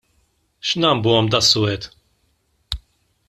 X'nambuhom das-suwed?